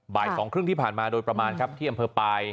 สองครึ่งที่ผ่านมาโดยประมาณครับที่อำเภอปลาย